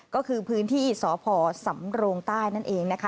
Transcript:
ก็คือพื้นที่สพสำโรงใต้นั่นเองนะคะ